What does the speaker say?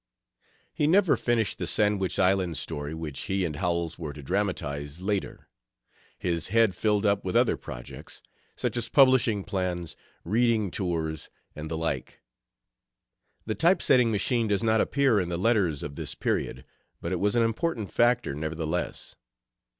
He never finished the Sandwich Islands story which he and Howells were to dramatize later. His head filled up with other projects, such as publishing plans, reading tours, and the like. The type setting machine does not appear in the letters of this period, but it was an important factor, nevertheless.